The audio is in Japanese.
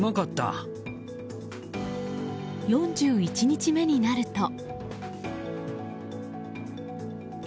４１日目になると。